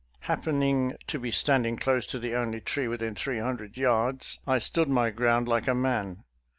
Hap pening to be standing close to the only tree within three hundred yards, I stood my ground like a man.